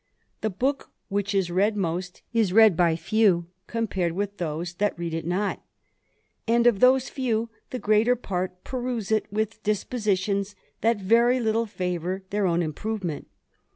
The book which is read most, is read by few, compared with those that read it not ; and of those few, the greater part peruse it with dispositions that very Httle favour their own improvement.